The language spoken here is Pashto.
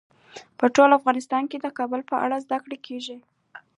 په ټول افغانستان کې د کابل په اړه زده کړه کېږي.